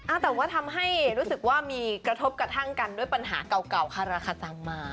แต่ว่าทำให้รู้สึกว่ามีกระทบกระทั่งกันด้วยปัญหาเก่าเก่าคาราคาจังมา